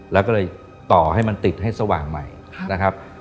แล้วก็เลยต่อให้มันติดให้สว่างใหม่นะครับ